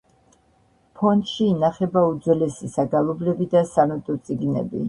ფონდში ინახება უძველესი საგალობლები და სანოტო წიგნები.